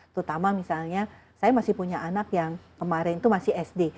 terutama misalnya saya masih punya anak yang kemarin itu masih sd